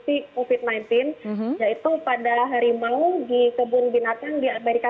hanya sedikit yang benar benar terbukti kufit sembilan belas yaitu pada hari mau di kebun binatang di amerika